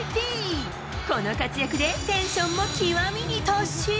この活躍でテンションも極みに達し。